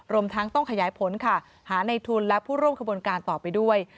รวมทั้งต้องขยายผลค่ะหาในทุนและผู้ร่วมขบวนการต่อไปด้วย